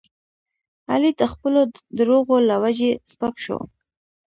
علي د خپلو دروغو له وجې سپک شو.